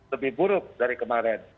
lebih buruk dari kemarin